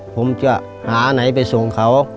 ผมจะหาไหนไปส่งเขา